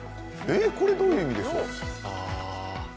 これどういう意味でしょうか